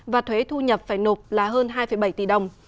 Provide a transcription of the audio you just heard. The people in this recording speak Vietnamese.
và thuế thu nhập phải nộp là hơn hai bảy tỷ đồng